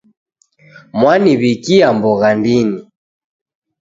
Mwaniw'ikia mbogha ndini.